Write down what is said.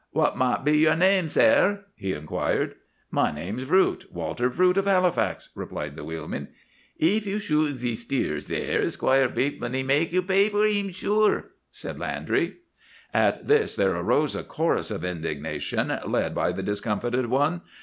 "'What might be your name, sare?' he inquired. "'My name's Vroot—Walter Vroot of Halifax,' replied the wheelman. "'Eef you shoot ze steer, sare, Squire Bateman he make you pay for 'eem, sure,' said Landry. "At this there arose a chorus of indignation led by the discomfited one.